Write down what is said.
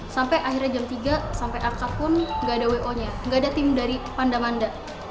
sampai akhirnya jam tiga sampai akapun nggak ada wo nya nggak ada tim dari pandang andang